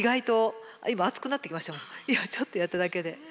今ちょっとやっただけで。